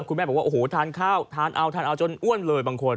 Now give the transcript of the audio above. คุณแม่บอกว่าโอ้โหทานข้าวทานเอาทานเอาจนอ้วนเลยบางคน